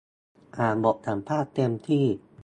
อ่านบทสัมภาษณ์เต็มที่